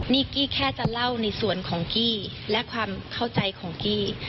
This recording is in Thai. นี่กี้แค่จะเล่าในส่วนของกี้และความเข้าใจของกี้